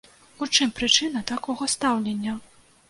У чым прычына такога стаўлення?